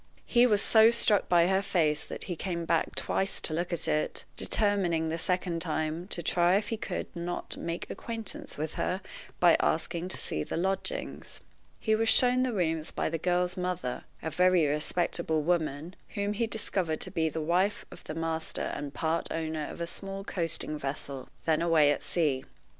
He was so struck by her face that he came back twice to look at it, determining, the second time, to try if he could not make acquaintance with her by asking to see the lodgings. He was shown the rooms by the girl's mother, a very respectable woman, whom he discovered to be the wife of the master and part owner of a small coasting vessel, then away at sea.